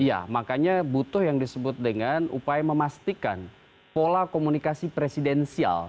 iya makanya butuh yang disebut dengan upaya memastikan pola komunikasi presidensial